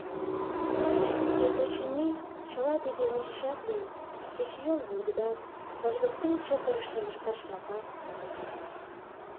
Вет, очыни, чыла тиде ончычат лийын — кечыйол волгыдат, лыжгыктен чытырыше лышташ-влакат.